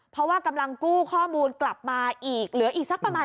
เพราะว่ากำลังกู้ข้อมูลกลับมาอีกเหลืออีกสักประมาณ